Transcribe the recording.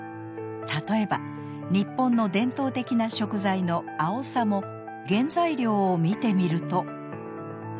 例えば日本の伝統的な食材のあおさも原材料を見てみると。